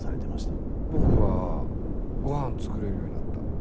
僕はご飯作れるようになった。